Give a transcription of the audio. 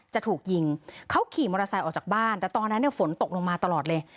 จะถูกยิงเขาขี่มอเตอร์ไซค์ออกจากบ้านแต่ตอนนั้นเนี่ยฝนตกลงมาตลอดเลย